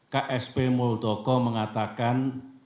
ksp multoko mengatakan